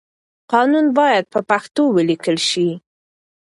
قانون بايد په پښتو وليکل شي.